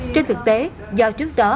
trên thực tế do trước đó